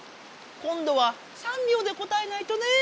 今度は３びょうで答えないとねえ。